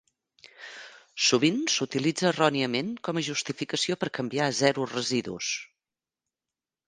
Sovint s'utilitza erròniament com a justificació per canviar a Zero Residus.